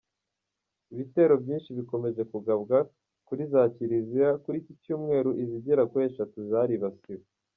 Ibitero byinshi bikomeje kugabwa kuri za Kiliziya, kuri iki Cyumweru izigera kuri eshatu zaribasiwe.